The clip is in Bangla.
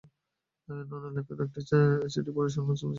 নানার লেখা একটি চিঠি পড়ে শোনান চলচ্চিত্রকারের নাতনি ফারহিন লালারুখ খুররম।